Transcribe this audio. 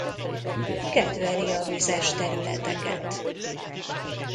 Kedveli a vizes területeket.